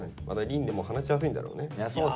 また琳寧も話しやすいんだろうね。